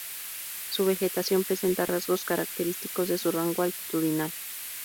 Su vegetación presenta rasgos característicos de su rango altitudinal.